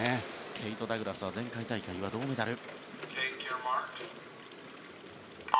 ケイト・ダグラスは前回大会は銅メダル。